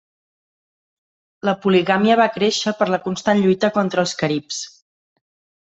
La poligàmia va créixer per la constant lluita contra els caribs.